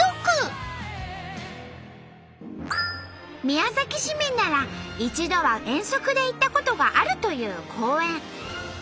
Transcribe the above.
宮崎市民なら一度は遠足で行ったことがあるという公園。